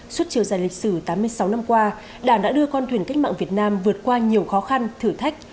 suốt chiều dài lịch sử tám mươi sáu năm qua đảng đã đưa con thuyền cách mạng việt nam vượt qua nhiều khó khăn thử thách